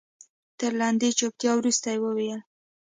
تر لنډې چوپتيا وروسته يې وويل.